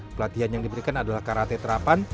pelatihan yang diberikan adalah karate terapan